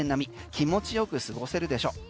気持ちよく過ごせるでしょう。